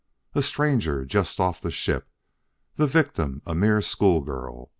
A stranger just off ship! The victim a mere schoolgirl!